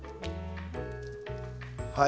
はい。